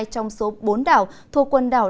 hai trong số bốn đảo thuộc quần đảo